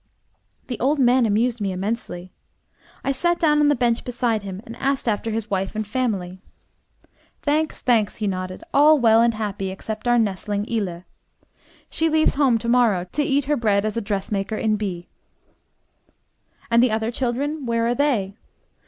The old man amused me immensely. I sat down on the bench beside him and asked after his wife and family. "Thanks, thanks," he nodded, "all well and happy except our nestling Ille. She leaves home to morrow, to eat her bread as a dress maker in B ." "And the other children, where are they?"